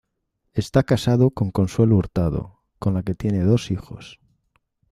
Está casado con Consuelo Hurtado, con la que tiene dos hijos.